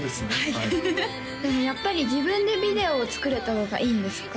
はいでもやっぱり自分でビデオを作れた方がいいんですか？